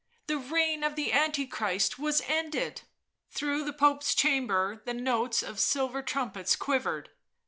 The reign of Antichrist was ended. Through the Pope's chamber the notes of silver trumpets quivered.